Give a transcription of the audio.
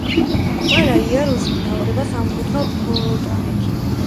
ყველა იარუსი მთავრდება სამკუთხა ფრონტონით.